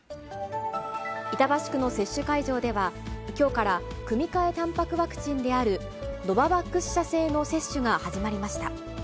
板橋区の接種会場では、きょうから、組み換えたんぱくワクチンであるノババックス社製の接種が始まりました。